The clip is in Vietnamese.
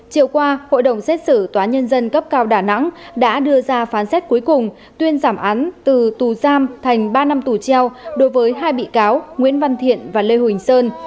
chiều qua hội đồng xét xử tòa nhân dân cấp cao đà nẵng đã đưa ra phán xét cuối cùng tuyên giảm án từ tù giam thành ba năm tù treo đối với hai bị cáo nguyễn văn thiện và lê huỳnh sơn